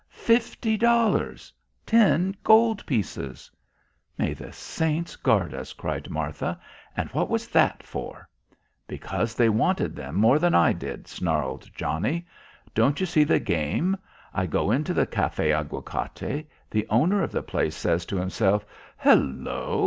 Fifty dollars! Ten gold pieces!" "May the saints guard us," cried Martha. "And what was that for?" "Because they wanted them more than I did," snarled Johnnie. "Don't you see the game. I go into the Café Aguacate. The owner of the place says to himself, 'Hello!